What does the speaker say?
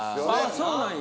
そうなんや。